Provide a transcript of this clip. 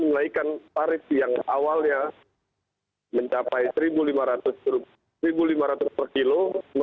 menaikkan tarif yang awalnya mencapai rp satu lima ratus per kilo